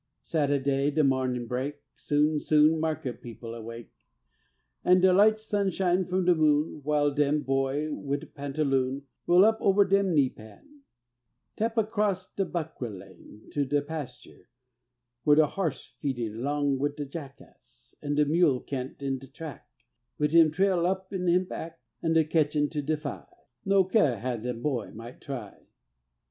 Sateday, de marnin' break, Soon, soon market people wake; An' de light shine from de moon While dem boy, wid pantaloon Roll up ober dem knee pan, 'Tep across de buccra lan' To de pastur whe' de harse Feed along wid de jackass, An' de mule cant' in de track Wid him tail up in him back, All de ketchin' to defy, No ca' how dem boy might try.